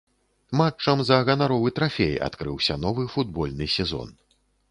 Матчам за ганаровы трафей адкрыўся новы футбольны сезон.